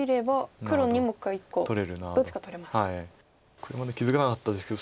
これまた気付かなかったですけど